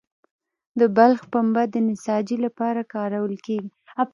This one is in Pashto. د بلخ پنبه د نساجي لپاره کارول کیږي